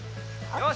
よし。